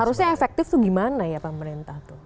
harusnya efektif tuh gimana ya pemerintah tuh